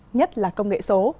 nhất là công nghệ số